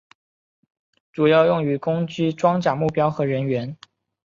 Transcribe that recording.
主要用于攻击装甲目标和人员。